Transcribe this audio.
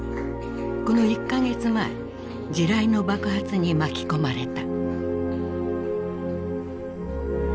この１か月前地雷の爆発に巻き込まれた。